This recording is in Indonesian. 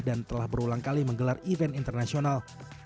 dan telah berulang kali menggelar event internasional